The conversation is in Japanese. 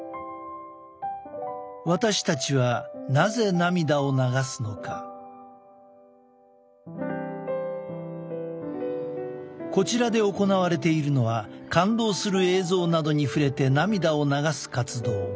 私たちはこちらで行われているのは感動する映像などに触れて涙を流す活動